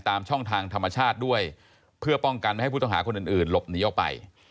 ตามช่องทางธรรมชาติด้วยเพื่อป้องกันไม่ให้ผู้ต้องหาคนอื่นหลบหนีออกไป